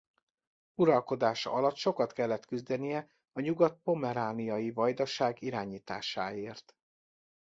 Uralkodása alatt sokat kellett küzdenie a Nyugat-pomerániai vajdaság irányításáért.